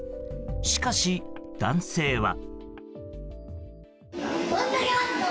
しかし、男性は。